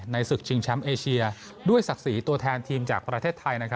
ศึกชิงแชมป์เอเชียด้วยศักดิ์ศรีตัวแทนทีมจากประเทศไทย